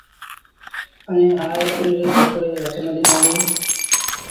ائيٚݩ آئي پنڊري ڇوڪري ري هٿ ميݩ ڏنآݩديٚ